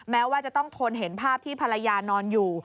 แม้ว่าจะต้องทนเห็นภาพที่ภรรยานอนอยู่